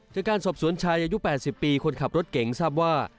จากการสอบสวนชายอายุ๘๐ปีคนขับรถเก๋งทราบว่า